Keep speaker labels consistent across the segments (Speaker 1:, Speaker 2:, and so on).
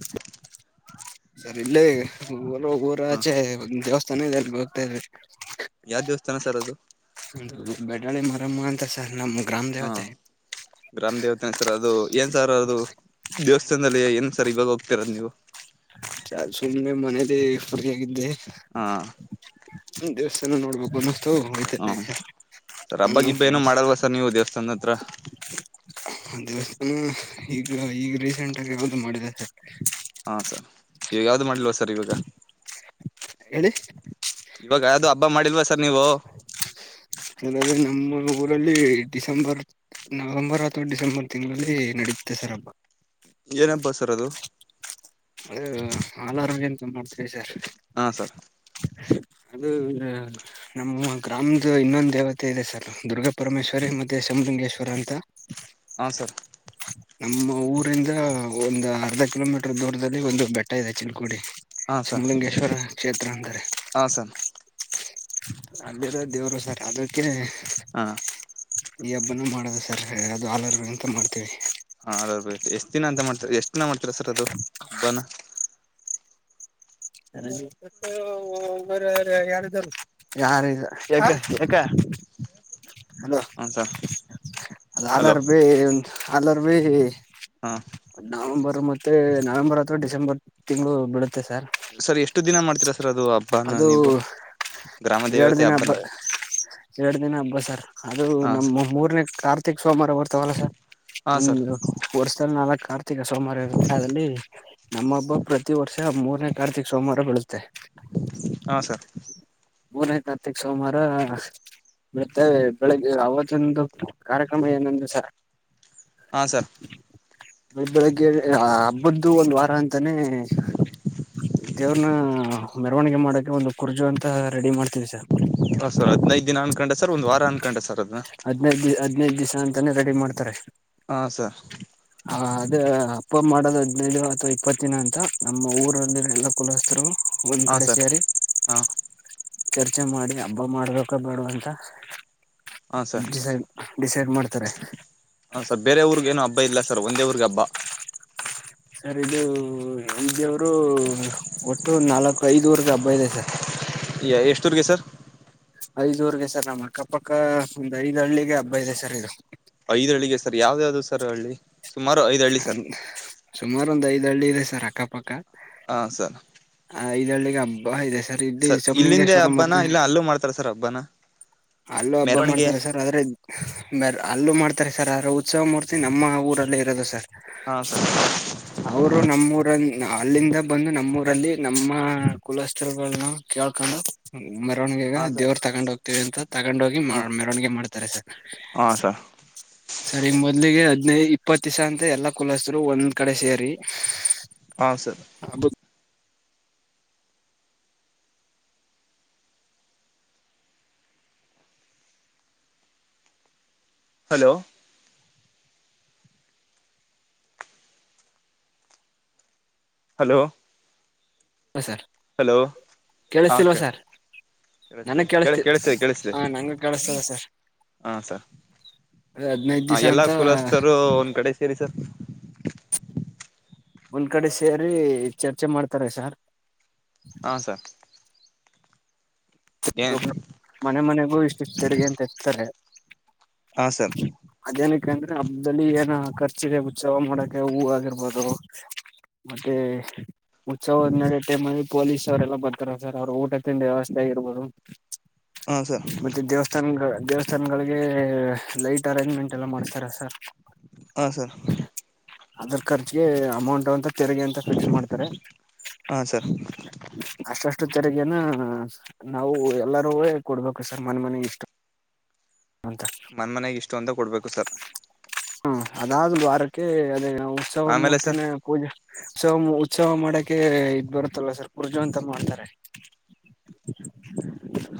Speaker 1: ಪ್ಚ್ ಪ್ಚ್ ಪ್ಚ್ ಸರಿ ಇಲ್ಲೇ. ಹೊಲ ಊರು
Speaker 2: ಹಾ
Speaker 1: ಆಚೆ ಒಂದ್ ದೇವಸ್ಥಾ. ಚೆನೈದಲ್ಲಿ ಹೋಕ್ತಾ ಇದ್ವಿ.
Speaker 2: ಯಾವ ದೇವಸ್ಥಾನ ಸರ್ ಅದು.
Speaker 1: ಒಂದು ಬೆಡಾಳಿ ಮಾರೆಮ್ಮ ಅಂತ ಸರ್ ನಮ.
Speaker 2: ಹಾ ಗ್ರಾಮ ದೇವತೆ ಸರ್ ಅದು ಏನ್ ಸರ್ ಅದು ದೇವ. ಇಷ್ಟೋತ್ತು ಅಲ್ಲಿ ಏನಕೆ ಸರ್ ಇವಾಗ ಹೋಗತೀರದ ನೀವು.
Speaker 1: ಚಾ ಸುಮನ್ನೇ ಮನೇಯಲ್ಲಿ ಫ್ರಿ ಆಗಿದ್ದೆ.
Speaker 2: ಹಾ
Speaker 1: ಹು ದೇವಸ್ಥಾನ ನೋಡ್ಬೇಕು ಅನಸ್ತು.
Speaker 2: ಸರ್ ಹ ಸರ್
Speaker 1: ನಮ್
Speaker 2: ಹಬ್ಬಗಿಬ್ಬ ಏನ
Speaker 1: ಫ್ರೆಂಡ್ಸ್
Speaker 2: ಮಾಡಲ್ವಾ ಸರ್ ನೀವು ದೇವಸ್ಥಾನದ ಹತ್ರ
Speaker 1: ದೇವಸ್ಥಾನ ಈಗ ಈಗ ರೀಸೆಂಟ್ ಆಗ ಯಾಾವದು ಮಾಡಿದೆ ಸರ್
Speaker 2: ಹಾ ಸರ್. ಈ ಯಾವ್ದು ಮಾಡಿಲ್ವಾ ಸರ್ ಇವಾಗ.
Speaker 1: ಹೇಳಿ
Speaker 2: ಇವಾಗ ಯಾವ್ದು ಹಬ್ಬ ಮಾಡಿಲ್ವ ಸ್. ಸರ್ ನೀವು.
Speaker 1: ಅದ್ರೆ ನಮ್ಮ ಊರಲ್ಲಿ ಡಿಸೆಂಬರ್ ನವೆಂಬರ್ ಅಥವಾ ಡಿಸೆಂಬರ್ ತಿಂಗಳಲ್ಲಿ ನಡುತ್ತೆ ಸರ್ ಹಬ್ಬ.
Speaker 2: ಏನು ಹಬ್ಬ ಸರ್ ಅದು.
Speaker 1: ಅ ಆಲಾರಾಮ್ ಏಂತ ಮಾಡ್ತವಿ ಸರ್.
Speaker 2: ಹಾ ಸರ್
Speaker 1: ಅದು ಒಂದ್ ನಮ್ಮ ಗ್ರಾಮದ ಇನ್ನೊಂದು ದೇವತೆ ಇದೆ ಸರ್ ದುರ್ಗಾ ಪರಮೇಶ್ವರಿ ಮತ್ತೆ ಶಮಲಿಂಗೇಶ್ವರ ಅಂತ.
Speaker 2: ಹಾಂ ಸರ್,
Speaker 1: ನಮ್ಮ ಊರಿಂದ ಒಂದು ಅರ್ಧ ಕಿಲೋಮೀಟರ್ ದೂರ.,, ಒಂದು ಬೆಟ್ಟ ಇದೆ ಚಿ [unintelligible] ಗು [unintelligible] ಡಿ
Speaker 2: ಹಾ ಸರ್
Speaker 1: ಸುಮಲಿಂಗೇಶ್ವರ ಕ್ಷೇತ್ರ ಅಂದರೆ
Speaker 2: ಹಾ ಸರ್
Speaker 1: ಅಲ್ಲಿೇರ ದೇವರು ಸರ್ ಅದಕ್ಕೆ [unintelligible]
Speaker 2: ಹಾ,,
Speaker 1: ಈ ಹಬ್ಬನೂ ಮಾಡೋದು ಸರ್ ಅದು ಆಲರ್ ಅಂತ ಮಾಡ್ತೀವಿ [unintelligible]
Speaker 2: ಹಾ ಹಬ್ಬನಾ...
Speaker 1: ಒ ಯಾರಾರ ಯಾರ [unintelligible] ಎಕ ಯಕ [inaudible] ಅಲೋ
Speaker 2: ಹಾ ಸರ್ ಹಲೋ
Speaker 1: ಅಾರ ಭ ಒ [unintelligible] ಅಲ್ಲರ್ ಬಿೀ
Speaker 2: ಹಾ
Speaker 1: [unintelligible] ನವಂಬರ್, ಮತ್ತೆ ನವೆಂಬರ್ ಅಥವಾ ಡಿಸೆಂಬರ್ ತಿಂಗಳು ಬಿಡುತ್ತೆ ಸರ್.
Speaker 2: ಸರ್ ಎಷ್ಟು ದಿನ ಮಾಡ್ತೀರಾ ಸರ್ ಅದು ಹಬ್ಬನ
Speaker 1: ಅದು
Speaker 2: ನೀವು ಗ್ರಾಮ
Speaker 1: ಎರಡ್
Speaker 2: ದೇವತೆ
Speaker 1: ದಿನ ಹಬ್ಬ
Speaker 2: ಹಬ್ಬನ
Speaker 1: ಎರಡ್ ದಿನ ಹಬ್ಬ ಸರ್. ಅದು
Speaker 2: ಹಾ
Speaker 1: ನಮ್ಮ ಮೂರನೇ ಕಾರ್ತಿಕ್ ಸೋಮಾರ ಬರ್ತವಲ್ಲ ಸರ್
Speaker 2: ಹಾ ಸರ್
Speaker 1: ಒಂದು ವರ್ಷದಲ್ಲಿ ನಾಲ್ಕುದಿನ. ಸೋಮವಾರ ಇರುತ್ತೆ. ಅಲ್ಲಿ ನಮ್ಮಬ್ಬ ಪ್ರತಿ ವರ್ಷ ಮೂರ, ಜ [inaudible] ಸೋಮವಾರ ಬೆಳುತ್ತೆ [unintelligible]
Speaker 2: ಹಾ ಸರ್
Speaker 1: ಮೂರನೇ ತಾರತೀಕ್ ಸೋಮಾರ ಬಿಡ್ತೇವೆ. ಬೆಳಿಗ್ಗೆ ಅವತ್ತೊಂದು ಕಾರ್ಯಕ್ರಮ ಏನಂದ್ರ ಸರ್.
Speaker 2: ಹಾ ಸರ್
Speaker 1: ಮ ಬೆಳ [unintelligible] ಬಂದು ಒಂದು ವಾರ ಅಂತಾನೆ- ದೇವ್ರನ್ನ ಮೆರವಣಿಗೆ ಮಾಡಕ ಒಂದು 'ಕುರ್ಜು' ಅಂತ ರೆಡಿ ಮಾಡ್ತೀವಿ ಸರ್.
Speaker 2: ಹರ್ ಹದನೈದು ದಿನ. [unintelligible] ಅಕೊಂಡ ಸರ್ ಒಂದ್ ವಾರ ಅನ್ಕೊಂಡ ಸರ್ ಅದನ್ನ. [unintelligible]
Speaker 1: ಹದಿನೈದು ದಿವ್ಸ ಅಂತಾನೇ ರೆಡಿ ಮಾಡ್ತಾರೆ.
Speaker 2: ಹಾ, ಸರ್,,
Speaker 1: ಅ್ ಅದೇ ಅಪ್ಪ ಮಾಡೋದು ಹದ್ಿನೈದು ಅಥವಾ ಇಪ್ಪತ್ತ ದಿನ ಅಂತ ನಮ್ಮ ಊರಲ್ಲಿ ಎಲ್ಲ ಕುಲಸ್ತರು [unintelligible] ಒಂದ್
Speaker 2: ಹಾ
Speaker 1: ಕಡೆ
Speaker 2: ಸರ್
Speaker 1: ಸೇರಿ.
Speaker 2: ಹಾ
Speaker 1: ಚರ್ಚೆ ಮಾಡಿ ಹಬ್ಬ ಮಾಡ್ಬೇಕ ಬೇಡ ಅಂತ.
Speaker 2: ಹಾ, ಸರ್
Speaker 1: ಡಿಸೈಡ್ ಡಿಸೈಡ್ ಮಾಡ್ತಾರೆ
Speaker 2: ಹ, ಸರ್ ಬೇರೆ ಊರ್ಗ ಏನ ಹಬ್ಬ ಇಲ್ಲ ಸರ್ ಒಂದೇ ಊರ್ಗೆ ಹಬ್ಬ.
Speaker 1: ಸರ್ ಇದು ಇದೇವರು ಒಟ್ಟು ನಾಲ್ಕು ಐದುವರೆದ ಹಬ್ಬ ಇದೆ ಸರ್. [unintelligible]
Speaker 2: ಎಷ್ಟೋಿಗೆ ಸರ್ [unintelligible]
Speaker 1: ಐದುಊರ್ಗೆ ಸರ್ ನಮ್ಮ ಅಕ್ಕಪಕ್ಕ ಒಂದ್ ಐದ್ ಹಳ್ಳಿಗೆ ಹಬ್ಬ ಇದೆ ಸರ್ ಇದು.
Speaker 2: ಐದಳ್ಳಿಗೆ ಸರ್ ಯಾವ್ದ ಯಾವ್ದು ಸರ್ ಹಳ್ಳಿ. ಸುಮಾರು ಐದು ಹಳ್ಳಿ ಸರ್
Speaker 1: ಸುಮಾರು ಒಂದ್ ಐದು [unintelligible] ಹಳ್ಳಿಇದೆ ಸರ್ ಅಕ್ಕಪಕ್ಕ.
Speaker 2: ಹಾ, ಸರ್,,,
Speaker 1: ಐದ್ ಹಳ್ಳಿಗ್ ಹಬ್ಬ ಇದೆ ಸ್ ಇದ್ದೆ
Speaker 2: ಸರ್ ಇಲ್ಲಿಂದೆ
Speaker 1: ಸಮಲಿಂಗೇಶ್ವರಂ
Speaker 2: ಹಬ್ಬನ
Speaker 1: ಮತ್ತೆ
Speaker 2: ಇಲ್ಲ ಅಲ್ಲೂ ಮಾಡ್ತಾರ ಸರ್ ಹಬ್ಬನ
Speaker 1: ಅಲ್ಲು ಹಬ್ಬ
Speaker 2: ಮೆರವಣಿಗೆ
Speaker 1: ಮಾಡ್ತಾರೆ ಸರ್ ಆದ್ರೆ ಅಲ್ಲೂ ಮಾಡ್ ತ್ತರೆ ಸರ್ ಅರೆ ಉತ್ಸವ ಮೂರ್ತಿ ನಮ್ಮ ಊರಲ್ಲೇ ಇರೋದು ಸರ್
Speaker 2: ಹಾ ಸರ್
Speaker 1: ಅವರು ನಮ್ಮೂರನ್ ಅಲ್ಲಿಂದ ಬಂದು ನಮ್ಮೂರಲ್ಲಿ ನಮ್ಮ ಕುಲಸ್ಥತ್ರಗಳ್ನ್ನ ಕೇಳ್ಕೊಂಡು ಮೆರವಣಿಗೆಗ
Speaker 2: ಹಾ ಸರ್
Speaker 1: ದೇವ್ರ ತಗೊಂಡ್ ಹೋಗ್ತೀವಿ ಅಂತ ತಗೊಂಡೋಗಿ
Speaker 2: ಹಾ
Speaker 1: ಮೆರವಣಿಗೆ ಮಾಡ್ತಾರೆ ಸರ್
Speaker 2: ಹಾ ಸರ್
Speaker 1: ಸರ್ ಈಗ ಮೊದ್ಲಿಗೆ ನೇ ಇಪ್ಪತ್ ದಿಸ ಅಂತ ಎಲ್ಲಾ ಕುಲಸ್ತೃ ಒಂದ್ ಕಡೆ ಸೇರಿ
Speaker 2: ಹಾ ಸರ್
Speaker 1: ಹಬ್ಬ
Speaker 2: ಹಲೋ ಹಲೋ
Speaker 1: ಸರ್
Speaker 2: ಹಲೋ
Speaker 1: ಕೇಳಿಸ್ತಿಲ್ವಾ
Speaker 2: ಹತರಿ
Speaker 1: ಸರ್ ನನಗ್ ಕೇಳಿಸ್ತಿ
Speaker 2: ಕೇಳಿಸರಿ ಕೇಳಿಸರಿ
Speaker 1: ಹಾ ನಂಗ ಕೇಳಿಸ್ತದ ಸರ್
Speaker 2: ಹಾ ಸರ್
Speaker 1: ಹದ್ನೈದ್
Speaker 2: ಹ
Speaker 1: ದಿವಸ
Speaker 2: ಎಲ್ಲಾ
Speaker 1: ಅಂತ
Speaker 2: ಕುಲಸ್ಥರು ಒಂದ್ ಕಡೆ ಸೇರಿ ಸರ್
Speaker 1: ಒಂದ್ ಕಡೆ ಸೇರಿ ಚರ್ಚೆ ಮಾಡ್ತಾರೆ ಸಾರ್
Speaker 2: ಹಾ ಸರ್ ಏನ್
Speaker 1: ಮನೆ ಮನೆಗೂ ಇಷ್ಟುಷ್ಟು ತೆರಿಗೆ ಅಂತ ಇ್ತಾರೆ
Speaker 2: ಹಾಂ ಸರ್
Speaker 1: ಅದೇನಕ್ಕೆಂದ್ರೆ ಹಬ್ಬದಲ್ಲಿ ಏನ ಚಿರೆ ಉುತ್ಸವ ಮಾಡೋಕೆ ಹೂ ಆಗಿರ್ಬೋದು ಮತ್ತೆ ಉತ್ಸವ ನೋಡೋ ಟೈಮಲ್ಲಿ ಪೊಲೀಸ್ ಅವರೆಲ್ಲ ಬರ್ತಾರೆ ಸರ್ ಅವ್ರ ಊಟ ತಿಂಡಿ ವ್ಯವಸ್ಥೆ ಆಗಿರ್ಬೋ ಓಹ್
Speaker 2: ಹಾಂ ಸರ್
Speaker 1: ಮತ್ತೆ ದೇವಸ್ಥಾನ ದೇವಸ್ಥಾನಗಳಿಗೆ ಲೈಟ್ ಅರೇಂಜ್ಮೆಂಟ್ ಎಲ್ಲ ಮಾಡ್ಸ್ತಾರೆ ಸರ್
Speaker 2: ಹಾಂ ಸರ್
Speaker 1: ಅದ್ರ್ ಖರ್ಚಗೆ ಅಮೌಂಟ್ ಅಂತ ತೆರಿಗೆ ಅಂತ ಫಿಕ್ಸ್ ಮಾಡ್ತಾರೆ
Speaker 2: ಹಾಂ ಸರ್
Speaker 1: ಅಷ್ಟಷ್ ಷ್ಟ ತೆರಗೇನ ನಾವು ಎಲ್ಲಾರೂ ಕೊಡ್ಬೇಕು ಸರ್ ಮನೆ ಮನೆಗ್ ಇಷ್ಟು ಅಂತ
Speaker 2: ಮನ್ ಮನೆಗ್ ಇಷ್ಟು ಅಂತ ಕೊಡ್ಬೇಕು ಸರ್
Speaker 1: ಹ್ಮ ಅದಾಗ್ ಒಂದ್ ವಾರಕ್ಕೆ ಅದೇ ಉತ್ಸವ
Speaker 2: ಆಮೇಲೆ ಸರ್
Speaker 1: ಮೂರ್ತಿನೆ ಪೂಜೆ ಸವ ಉತ್ಸವ ಮಾಡಕೆ ಇದ್ ಬರುತ್ತಲ್ಲ ಸರ್ ಕುರ್ಜು ಅಂತ ಮಾಡ್ತಾರೆ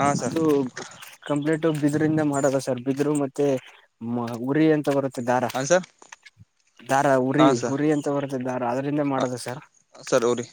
Speaker 2: ಹಾಂ ಸರ್
Speaker 1: ಅದು ಕಂಪ್ಲೀಟ್ ಬಿದ್ರಂದ ಮಾಡದ ಸರ್ ಬಿದರು ಮತ್ತೆ ಮ ಉರಿ ಎಂತ ಬರುತ್ತೆ ದಾರ
Speaker 2: ಹ ಸರ್
Speaker 1: ದಾರ
Speaker 2: ಹ
Speaker 1: ಉರಿ
Speaker 2: ಸರ್
Speaker 1: ಉರಿ ಅಂತ ಬರುತ್ತೆ ದಾರ ಅದರಿಂದ ಮಾಡೋದು ಸರ್
Speaker 2: ಸರ್ ್ರರಿ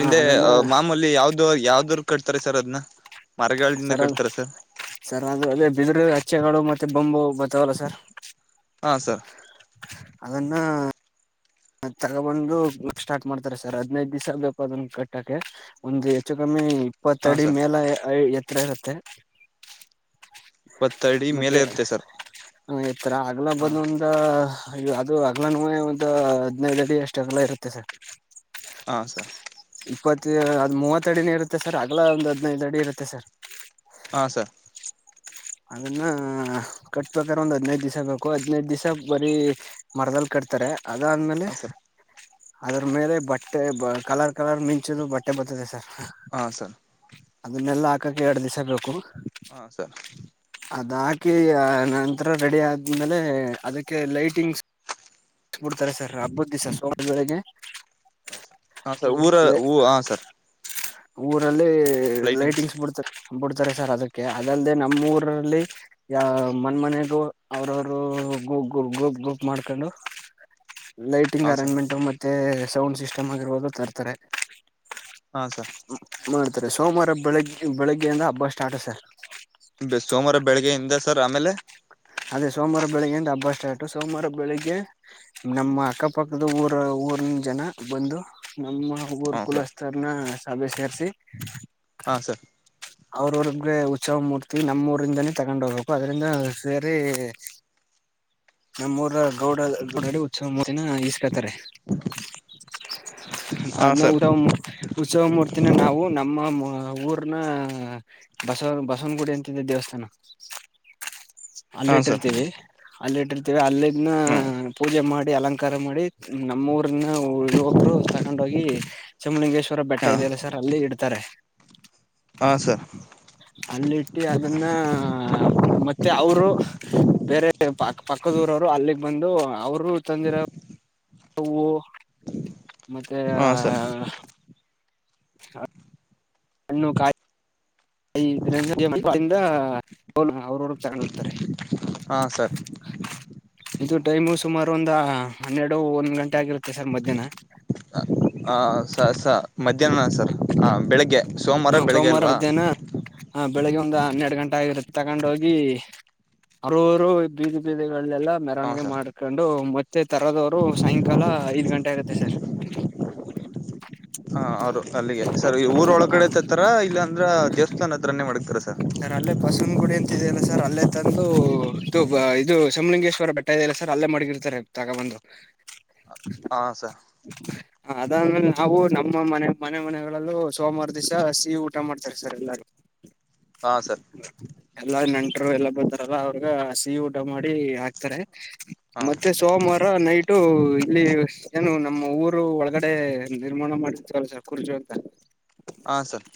Speaker 1: ಹ ಅದನ್ನ
Speaker 2: ಮಾಮೂಲಿ ಯಾವ್ದ ಯಾವ್ದ್ ಕಟ್ತಾರೆ ಸರ್ ಅದನ್ನ ಮರಗಳಿಂದ
Speaker 1: ಸರ
Speaker 2: ಕಟ್ತಾರೆ ಸರ್
Speaker 1: ಸರಾಗ ಅದೇ ಬಿದರು ಚ್ಚೆಗಳು ಮತ್ತೆ ಬೊಂಬು ಬ್ ತ್ತಲ ಸರ್
Speaker 2: ಹಾಂ ಸರ್
Speaker 1: ಅದನ್ನಾ ತಗಬಂದುು ಸ್ಟಾರ್ಟ್ ಮಾಡ್ತಾರೆ ಸರ್ ಹದ್ನೈದು ದಿವ್ಸ ಬೇಕ ಅದನ್ನ ಕಟ್ಟಕ್ಕೆೆ ಒಂದು್ ಹೆಚ್ಚು ಕಮ್ಮಿ
Speaker 2: ಹಾಂ
Speaker 1: ಇಪ್ಪತ್ತಡಿ
Speaker 2: ಸರ್
Speaker 1: ಮೇಲೆ ಎ ಹತ್ರ ಇರುತ್ತೆ
Speaker 2: ಇಪ್ಪತ್ತಡಿ ಮೇಲೆ
Speaker 1: ಮತ್ತೆ
Speaker 2: ಇರುತ್ತೆ ಸರ್
Speaker 1: ಈತ್ರರ ಆಗ್ಲ
Speaker 2: ಹಾಂ
Speaker 1: ಬಂದಂದ ಅದು ಅದು ಅಗ್ಲನುನೆ ಒಂದು ಹದನೈದಡಿ ಎಷ್ಟ್ ಅಗ್ಲ ಇರುತ್ತೆ ಸರ್
Speaker 2: ಹಾ ಸರ್
Speaker 1: ಇಪ್ಪತ್ ಅದ್ ಮೂವತ್ತ ಅಡಿನ ಇರುತ್ತೆ ಸರ್ ಅಗ್ಲ ಒಂದ್ ಹದ್ಿನೈದು ಅಡಿ ಇರುತ್ತೆ ಸರ್
Speaker 2: ಹಾ ಸರ್
Speaker 1: ಅದನ್ನ ಕಟ್ಬೇಕಾದ್ರೆ ಒಂದು್ ಹದ್ನೈದ ದಿವ್ಸ ಬೇಕು ಹದ್ಿನೈದ ದಿವ್ ಬರೀ ಮರದಲ್ಲಿ ಕಟ್ತಾರೆ ಅದಾದ್ಮೇಲೆ
Speaker 2: ಸರ್
Speaker 1: ಅದ್ರ ಮೇಲೆ ಬಟ್ಟೆ ಕಲರ್ ಕಲರ್ ಮಿಂಚುದು ಬಟ್ಟೆ ಬರ್ತದೆ ಸರ್
Speaker 2: ಹಾ ಸರ್
Speaker 1: ಅದನ್ನೆಲ್ಲ ಹಾಕಕ್ ಎರಡ್ ದಿವಸ ಬೇಕು
Speaker 2: ಹಾ ಸರ್
Speaker 1: ಅದ ಹಾಕಿ ನಂತರ ರೆಡಿ ಆದ್ಮೇಲೆ ಅದಕ್ಕೆ ಲೈಟಿಂಗ್ಬಡ್ತಾರೆ ಸರ್ ಹಬ್ಬದ ದಿವಿಸ ಸವ ಬೆಳಗ್ಗೆ
Speaker 2: ಹ ಹ ಸರ್ ಊರ ಹ ಸರ್
Speaker 1: ಊರ ಅಲ್ಲಿ ಲೈಟಿಂಗ್ಸ್ ಬಿಡ್ತಾರೆ ಬಿಡ್ತಾರೆ ಸರ್ ಅದಕ್ಕೆ ಅದಲ್ಲದೆೇ ನಮ್ಮ ಊರಲ್ಲಿ ಯ ಮನ್ ಮನೆಗೂ ಅವ್ರವರು ಗ ಗ ಗ್ರೂಪ್ ಗ್ರೂಪ್ ಮಾಡ್ಕೊಂಡು ಲೈಟಿಂಗ್
Speaker 2: ಹಾಂ ಸರ್
Speaker 1: ಅರಂಜೆಂಟ್ ಮತ್ತ್ ಮತ್ತೆ ಸೌಂಡ್ ಸಿಸ್ಟಮ್ ಆಗಿರ್ಬೋದು ತರ್ತಾರೆ
Speaker 2: ಹಾ ಸರ್
Speaker 1: ಮಾಡ್ತಾರೆ ಸೋಮವಾರ ಬೆಳಗ್ಗೆ ಬೆಳಿಗ್ಗೆಯಿಂದ ಹಬ್ಬ ಸ್ಟಾರ್ಟ್ ಸರ್
Speaker 2: ಬ ಸೋಮವಾರ ಬೆಳಿಗ್ಗೆಯಿಂದ ಸರ್ ಆಮೇಲೆ
Speaker 1: ಅದೇ ಸೋಮವಾರ ಬೆಳಿಗ್ಗೆಯಿಂದ ಹಬ್ಬ ಸ್ಟಾರ್ಟು ಸೋಮವಾರ ಬೆಳಿಗ್ಗೆ ನಮ್ಮ ಅಕ್ಕಪಕ್ಕದ ಊರ ಊರ್ನ ಜನ ಬಂದು ನಮ್ಮ [unintelligible]
Speaker 2: ಹಾಂ ಸರ್
Speaker 1: ಕುಲಸ್ತಾರನಾ ಸಭೆ ಸೇರಿಸಿ
Speaker 2: ಹಾಂ ಸರ್
Speaker 1: ಅವ್ರ ್ರಗ್ಗೆ ಉತ್ಸವ ಮೂರ್ತಿ ನಮ್ಮೂಊರಿಂದನೇ ತಗೊಂಡ ಹೋಗ್ಬೇಕು ಅದ್ರಂದ ಸೇರಿ ನಮ್ಮೂಊರ ಗೌಡ ಗೌಡಡಿ ಉತ್ಸವ ಮೂಿನ ಇಸ್ಕೊತಾರೆ
Speaker 2: ಹಾಂ
Speaker 1: ಅದ್ನ
Speaker 2: ಸರ್
Speaker 1: ಉಸವ ಉತ್ಸವ ಮೂರ್ತಿನ ನಾವು ನಮ್ಮ ಊರ್ನ ಬಸವ ಬಸವನಗುಡಿ ಅಂತಿದ್ದ ದೇವಸ್ಥಾನ ಅಲ್ಲಿ
Speaker 2: ಹಾಂ ಸರ್
Speaker 1: ಇಟ್ಟಿರ್ತೀವಿ ಅಲ್ಲಿ ಇಟ್ಟಿರ್ತ ಅಲ್ಲಿ ಇನ್ನ
Speaker 2: ಹ್ಞೂ
Speaker 1: ಪೂಜೆ ಮಾಡಿ ಅಲಂಕಾರ ಮಾಡಿ ನಮ್ಮ ಊರು ಉಳುವಕರು ತಕೊಂಡ ಹೋಗಿ ಚಮ್ಲಿಿಂಗೇಶ್ವ ರ ಬೆಟ್ಟ
Speaker 2: ಹಾ
Speaker 1: ಇದೆೆಯಲ್ಲ ಸರ್ ಅಲ್ಲಿ ಇಡ್ತಾರೆ
Speaker 2: ಹಾ ಸರ್
Speaker 1: ಅಲ್ಲಿಟ್ಟು ಅದನ್ನ ಮತ್ತೆ ಅವರು ಬೇರೆ ಪಾಕ್ ಪಕ್ಕದೂರವರು ಅಲ್ಲಿಗ್ ಬಂದು ಅವರು ತಂದಿರ ವ ಮತ್ತೆ
Speaker 2: ಹಾ ಸರ್
Speaker 1: ಹ ಅಣ್ಣು ಕಾಯ ಐ ಅವ್ರವ ಚೆ್ ಹೋಗ್ತಾರೆ
Speaker 2: ಹಾ ಸರ್
Speaker 1: ಇದು ಟೈಮು ಸುಮಾರು ಒಂದ ಹನ್ನೆರಡು ಒಂದ್ ಗಂಟೆ ಆಗಿರುತ್ತೆ ಸರ್ ಮಧ್ಯಾಹ್ನ
Speaker 2: ಹ ಸ ಸ ಮಧ್ಯಾಹ್ನ ಸರ್ ಹಾ ಬೆಳಿಗ್ಗೆ ಸೋಮವಾರ ಬೆಳಗ್ಗೆ ಅಲ್ವಾ
Speaker 1: ಹ ಬೆಳಿಗ್ಗೆ ಒಂದು ಹನ್ನೆರಡು ಗಂಟೆ ಆಗಿರುತ್ತೆ ತಗೊಂಡ ಹೋಗಿ ಹರರು ಬೀದಿ ಬೀದಿಗಳು ೆಲ್ಲಾ
Speaker 2: ಹಾ
Speaker 1: ಮೆರವಣಿಗೆ
Speaker 2: ಸರ್
Speaker 1: ಮಾಡ್ಕೊಂಡು ಮತ್ತೆ ತರದವರು ಸಾಯಂಕಾಲ ಐದ್ ಗಂಟೆ ಆಗತ್ತೆ ಸರ್
Speaker 2: ಹ ಅವರು ಅಲ್ಲಿಗೆ ಸರಿ ಊರ
Speaker 1: ಹ
Speaker 2: ಒಳಗಡೆ ಆ ತರ ಇಲ್ಲಾಂದ್ರ ದೇವಸ್ಥಾನ ಹದರನ್ನೇ ಮಾಡತಾರ ಸರ್
Speaker 1: ಅಲ್ಲೇ ಬಸವನ ಗುಡಿ ಅಂತ ಇದೆಯಲ್ಲ ಸರ್ ಅಲ್ಲೇ ತಂದು ಇ ಇದು ಸಮಲಿಂಗೇಶ್ವರ ಬೆಟ್ಟ ಇಲ್ಲ ಸರ್ ಅಲ್ಲೇ ಮಗಿರ್ತಾರೆ ತಗ ಒಂದು
Speaker 2: ಹಾ ಸರ್
Speaker 1: ಹ ಅದಾದ್ಮೇಲೆ ನಾವು ನಮ್ಮ ಮನೆ ಮನೆ ಮನೆಗಳಲ್ಲೂ ಸೋಮಾರ ಹಸಿ ಊಟ ಮಾಡ್ತಾರೆ ಸರ್ ಎಲ್ಲಾರೂ
Speaker 2: ಹಾ ಸರ್
Speaker 1: ಎಲ್ಲಾ ನೆಂಟರು ಎಲ್ಲ ಬರ್ತಾರಲ್ಲ ಅವ್ರಗ ಹಸಿ ಊಟ ಮಾಡಿ ಹಾಕ್ತಾರೆ
Speaker 2: ಹಾ
Speaker 1: ಮತ್ತೆ ಸೋಮವಾರ ನೈಟು ಇಲ್ಲಿ ಏನು ನಮ್ಮ ಊರು ಒಳಗಡೆ ನಿರ್ಮಾಣ ಮಾಡಿರ್ತವಲ್ಲಸರ್ ಕುರ್ಚು ಅಂತ
Speaker 2: ಹಾ ಸರ್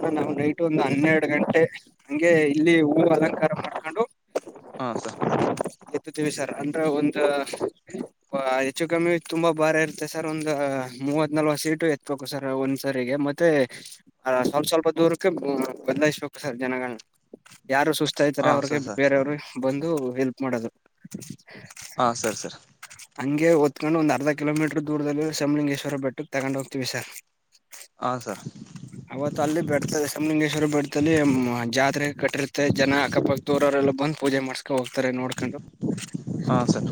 Speaker 1: ಹ ನಾ್ ನೈಟ್ ಒಂದು್ ಹನ್ನೆರಡು ಗಂಟೆ ಹಂಗೆ ಇಲ್ಲಿ ಹೂವು ಅಲಂಕಾರ ಮಾಡ್ಕೊಂಡು
Speaker 2: ಹಾ ಸ
Speaker 1: ಎತ್ತುೀವಿ ಸರ್ ಒಂದು ಹೆಚ್ಚು ಕಮ್ಮಿ ತುಂಬಾ ಬಾರ ಇರುತ್ತೆ ಸರ್ ಒಂದ ಮೂವತ್ ನಲ್ವತ್ತು ಸೀಟು ಎತ್ಬೇಕು ಸರ್ ಒಂದ್ಸರಿಗೆ ಮತ್ತೆ ಮತ್ತೆ ಹಾ ಸ್ವಲ್ಪ ಸ್ವಲ್ಪ ದೂರ ಬದಲಾಯಿಸ್ಬೇಕು ಸರ್ ಜನಗಳನ್ನ ಯಾರು ಸುಸ್ತಾ ಇದತಾರೆ
Speaker 2: ಹಾ
Speaker 1: ಅವ್ರಿಗೆ
Speaker 2: ಸರ್ ಸರ್
Speaker 1: ಬೇರೆಯವರು ಬಂದು ಹೆಲ್ಪ್ ಮಾಡೋದು
Speaker 2: ಹಾ ಸರಿ ಸರ್
Speaker 1: ಹಂಗೆ ಹೊತ್ಕೊಂಡ್ ಒಂದು ಅರ್ಧ ಕಿಲೋಮೀಟರ್ ದೂರದಲ್ಲಿ ಇರೋ ಶಂಬುಲಿಂಗೇಶ್ವರ ಬೆಟ್ಟಕ್ ತಗೊಂಡ್ ಹೋಗ್ತತಿವಿ ಸರ್
Speaker 2: ಹಾ ಸರ್
Speaker 1: ಅವತ್ತು ಅಲ್ಲಿ ಬೆಟ್ಟದಲ್ಲಿ ಶಂಭುಲಿಂಗೇಶ್ವರ ಬೆಟ್ಟದಲ್ಲಿ ಜಾತ್ರೆ ಕಟ್ಟಿರುತ್ತೆ ಜನ ಅಕ್ಕಪಕ್ಕದೂರರೆಲ್ಲ ಬಂದು ಪೂಜೆ ಮಾಡ್ಸ್ಕೊಂಡ ಹೋಗ್ತಾರೆ ನೋಡ್ಕೊಂಡು
Speaker 2: ಹಾ ಸರ್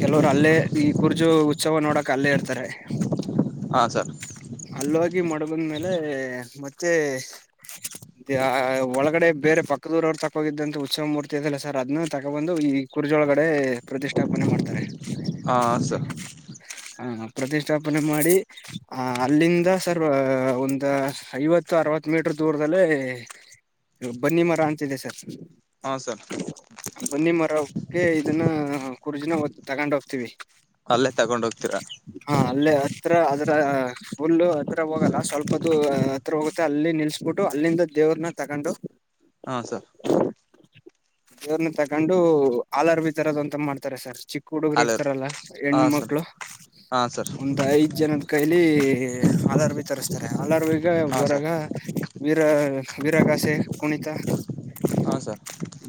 Speaker 1: ಕೆಲವರು ಅಲ್ಲೇ ಈ ಕುರ್ಜು ಉತ್ಸವ ನೋಡಕ ಅಲ್ಲೇ ಇರ್ತಾರೆ
Speaker 2: ಹಾ ಸರ್
Speaker 1: ಅಲ್ಲ ಮಡ್ಬಂದ್ಮೇಲೆ ಮತ್ತೆ ಒಳಗಡೆ ಬೇರೆ ಪಕ್ಕದೂರವ್ರು ತಗೋಗಿದ್ದಂತ ಉತ್ಸವ ಮೂರ್ತಿ ಇದೆಲ್ಲ ಸರ್ ಅದನ್ನ ತಗೊ ಬಂದು ಈ ಕುರ್ಜೊಳಗಡೆ ಪ್ರತಿಷ್ಠಾಪನೆ ಮಾಡ್ತಾರೆ
Speaker 2: ಹಾ ಸರ್
Speaker 1: ಹಾ ಪ್ರತಿಷ್ಠಾಪನೆ ಮಾಡಿ ಆ ಅಲ್ಲಿಂದ ಸರ್ ಒಂದು ಐವತ್ತು ಅರವತ್ತು ಮೀಟರ್ ದೂರದದಲ್ಲಿ ಬನ್ನಿ ಮರ ಅಂತಿದೆ ಸರ್
Speaker 2: ಹಾ ಸರ್
Speaker 1: ಬನ್ನಿ ಮರಕ್ಕೆ ಇದನ್ನ ಕುರ್ಜನಾ ತಗೊಂಡು ಹೋಗ್ತೀವಿ
Speaker 2: ಅಲ್ಲೇ ತಗೊಂಡ್ ಹೋಗ್ತೀರ
Speaker 1: ಹ ಅಲ್ಲೇ ಹತ್ರ ಅದರ ಹುಲ್ಲು ಹತ್ರ ಹೋಗುತ್ತೆ ಅಲ್ಲಿ ನಿಲ್ಸ್ಬಿಟ್ಟು ಅಲ್ಲಿಂದ ದೇವ್ರನ್ನ ತಗೊಂಡು
Speaker 2: ಹಾ ಸರ್
Speaker 1: ದೇವನ್ನ ತಗೊಂಡು ಅಲರ್ಬಿ ತರದ ಅಂತ ಮಾಡ್ತಾರೆ ಸರ್ ಚಿಕ್ಕ ಹುಡುಗುರು
Speaker 2: ಅಲ್ಲೇ
Speaker 1: ಇರ್ತಾರಲ್ಲ ಹೆಣ
Speaker 2: ಹಾ ಸರ್
Speaker 1: ಮಕ್ಳು
Speaker 2: ಹಾ ಸರ್
Speaker 1: ಒಂದ್ ಐದ್ ಜನದ ಕೈಲಿ ಹಾಲರ್ಬಿ ತರಿಸ್ತಾರೆ ಹಲರ್ಬಿ
Speaker 2: ಹಾ
Speaker 1: ಬರಾಗ
Speaker 2: ಸರ್
Speaker 1: ವೀರ ವೀರಾಗಾಸೆ ಕುಣಿತಾ
Speaker 2: ಹಾ ಸರ್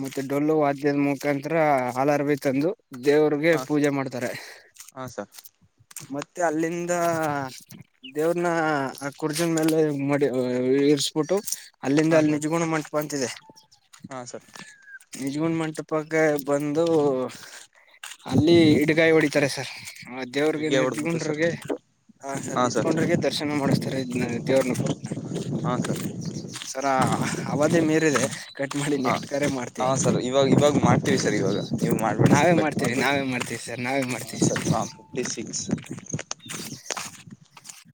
Speaker 1: ಮತ್ತೆ ಡೊಳ್ಳು ವಾದ್ಯದ ಮುಖಾಂತರ ಹಾಲರ್ಬಿ ತಂದು ದೇವ್ರಿಗೆ
Speaker 2: ಹಾ
Speaker 1: ಪೂಜೆ ಮಾಡ್ತಾರೆ [inaudible]
Speaker 2: ಹಾ ಸರ್
Speaker 1: ಮತ್ತೆ ಮತ್ತೆ ಅಲ್ಲಿಂದ ದೇವ್ರನ ಆ ಕುರ್ಜಿನ ಮೇಲೆ ಮಡಿ ಇರ್ಸ್ಬಿಟ್ಟು ಅಲ್ಲಿಂದ
Speaker 2: ಹಾ
Speaker 1: ಅಲ್ಲಿ
Speaker 2: ಸರ್
Speaker 1: ನಿಜಗು ಮಾಡ್ ಬಂತಿದೆ
Speaker 2: ಹಾ ಸರ್
Speaker 1: ನಿಜಗಂಡ್ ಮಂಟಪಕ್ಕೆ ಬಂದು ಅಲ್ಲಿ ಇಡಗಾಯಿ ಹೊಡಿತಾರೆ ಸರ್ ಹ ದೇವ್ರಿಗೆ
Speaker 2: ಇಟ್ಗೆ ಹೊಡೆದ್ಬಿಟ್ಟು ಸರ್
Speaker 1: ನಿಜಗುಂಡಿರ್ಗೆ ಹಾ ನಿರ್ಜ ಗುಂಡ್ರಿಗೆ ದರ್ಶನ ಮಾಡಿಸತಾರೆ ದೇವ್ರನ್ನ ಕೂಡ್ತಿನ
Speaker 2: ಹಾ ಸರ್
Speaker 1: ಸರ ಅವಧಿ ಮೀರಿದೆ ಕಟ್ ಮಾಡಿ ನೆಕ್ಸ್ಟ್ ಕರೆ
Speaker 2: ಹಾಂ
Speaker 1: ಮಾಡ್ತೀವಿ
Speaker 2: ಸರ್ ಇವಾಗ್ ಇವಾಗ ಮಾಡ್ತೀವಿ ಸರ್ ಇವಾಗ ನೀವ್ ಮಾಡ್ಬೇಡಿ ಸರ್
Speaker 1: ನಾವೇ
Speaker 2: ಕಟ್
Speaker 1: ಮಾಡ್ತೀವಿ
Speaker 2: ಮಾಡ್ಬೇಡಿ.
Speaker 1: ನಾವೇ ಮಾಡ್ತೀವಿ ಸರ್ ನಾವೇ
Speaker 2: ಹಾಂ
Speaker 1: ಮಾಡ್ತೀವಿ
Speaker 2: ಸರ್ ಹಾ ಫಿಫ್ಟಿ ಸಿಕ್ಸ್